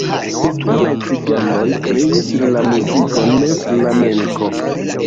Hispanaj ciganoj kreis la muzikon flamenko.